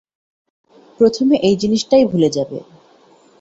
প্রথমে এই জিনিসটাই ভুলে যাবে।